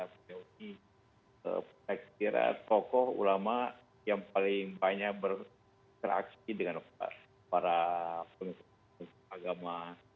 dengan pihak pihak tokoh ulama yang paling banyak beraksi dengan para pengusaha agama